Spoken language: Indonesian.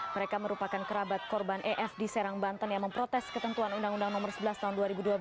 mereka merupakan kerabat korban ef di serang banten yang memprotes ketentuan undang undang nomor sebelas tahun dua ribu dua belas